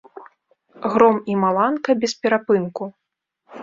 Гром і маланка бесперапынку.